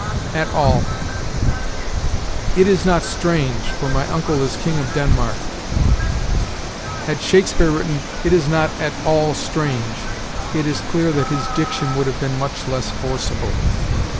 AT ALL. "It is not strange, for my uncle is King of Denmark." Had Shakespeare written, "It is not at all strange," it is clear that his diction would have been much less forcible.